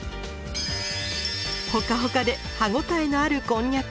ほかほかで歯応えのあるこんにゃく。